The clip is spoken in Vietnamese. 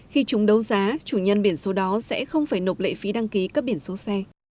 khi chúng đấu giá chủ nhân biển số đó sẽ không phải nộp lệ phí đăng ký cấp biển số xe